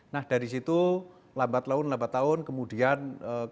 nah dari situ lambat leun lambat tahun kemudian koleksi musium